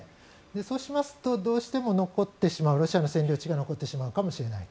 そうしますと、どうしてもロシアの占領地が残ってしまうかもしれない。